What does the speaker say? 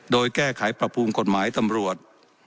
โดยแก้ไขประพูลกฎหมายตำรวจ